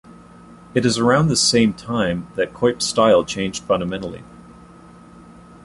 It is around this same time that Cuyp's style changed fundamentally.